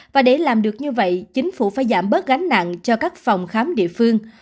và để làm được như vậy chính phủ phải giảm bớt gánh nặng cho các phòng khám địa phương